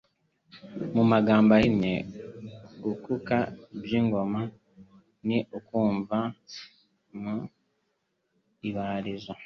Mu magambo ahinnye, gukuka by'ingoma ni ukuva mu ibarizo,